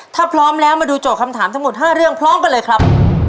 ถ้าพร้อมแล้วมาดูโจทย์คำถามทั้งหมด๕เรื่องพร้อมกันเลยครับ